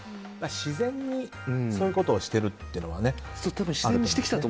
自然にそういうことをしているっていうのはあるかと。